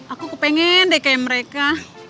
aku kepengen deh kayak mereka